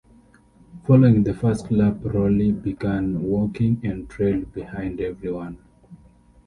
Following the first lap Rowley began walking and trailed behind everyone.